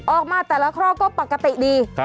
ออกมาแต่ละข้อก็ปกติดี